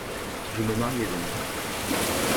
Je me mariai donc.